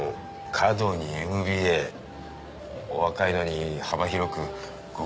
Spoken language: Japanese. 華道にＭＢＡお若いのに幅広くご活躍で。